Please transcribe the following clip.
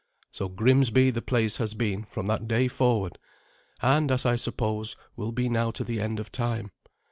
So Grimsby the place has been from that day forward, and, as I suppose, will be now to the end of time.